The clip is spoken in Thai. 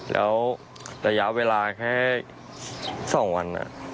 ระยะเวลาแค่๒วัน